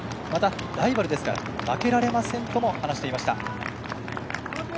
また、ライバルですから負けられませんとも話していました。